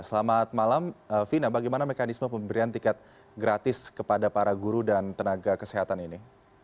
selamat malam vina bagaimana mekanisme pemberian tiket gratis kepada para guru dan tenaga kesehatan ini